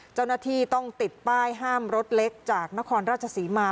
เจ้าหน้าที่ต้องติดป้ายห้ามรถเล็กจากนครราชศรีมา